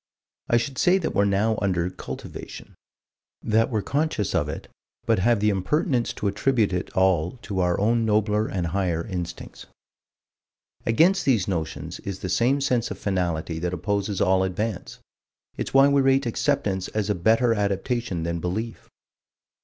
I should say that we're now under cultivation: that we're conscious of it, but have the impertinence to attribute it all to our own nobler and higher instincts. Against these notions is the same sense of finality that opposes all advance. It's why we rate acceptance as a better adaptation than belief.